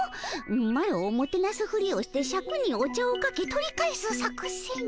マロをもてなすふりをしてシャクにお茶をかけ取り返す作戦？